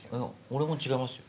俺も違いますよ。